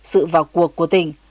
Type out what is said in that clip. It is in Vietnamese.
sự vào cuộc của tỉnh